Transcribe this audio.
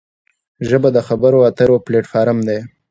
ژبه د خبرو اترو پلیټ فارم دی